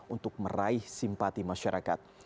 untuk meraih simpati masyarakat